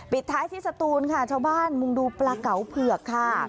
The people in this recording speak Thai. ปิดท้ายที่สตูนค่ะชาวบ้านมุงดูปลาเก๋าเผือกค่ะ